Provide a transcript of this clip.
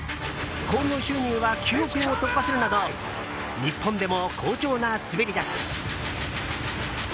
興行収入は９億円を突破するなど日本でも好調な滑り出し。